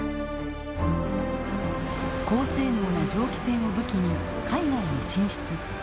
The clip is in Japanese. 高性能な蒸気船を武器に海外に進出。